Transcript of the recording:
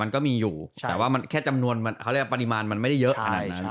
มันก็มีอยู่แต่ว่าแต่ว่ามันมีแค่ปริมาณไม่ได้เยอะ